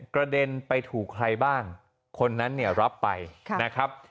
กระเด็นไปถูกใครบ้างคนนั้นเนี่ยรับไปนะครับ